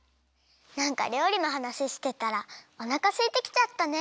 なんかりょうりのはなししてたらおなかすいてきちゃったね。